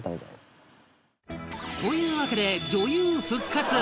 というわけで女優復活！